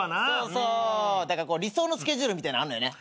理想のスケジュールみたいなのあんのよね。